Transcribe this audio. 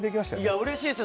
うれしいですよ。